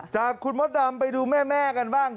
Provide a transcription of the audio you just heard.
จากคุณมดดำไปดูแม่กันบ้าง